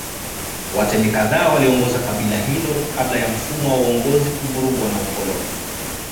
Watemi kadhaa waliongoza kabila hilo kabla ya mfumo wa uongozi kuvurugwa na ukoloni